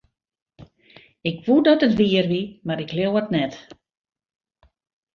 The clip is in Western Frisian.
Ik woe dat it wier wie, mar ik leau it net.